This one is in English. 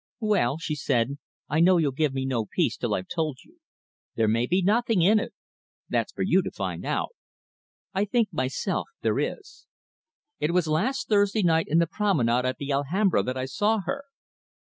"Well," she said, "I know you'll give me no peace till I've told you. There may be nothing in it. That's for you to find out. I think myself there is. It was last Thursday night in the promenade at the Alhambra that I saw her!"